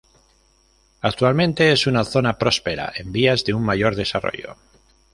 Actualmente es una zona próspera en vías de un mayor desarrollo.